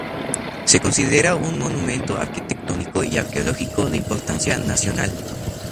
Se considera un monumento arquitectónico y arqueológico de importancia nacional.